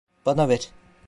Bana ver.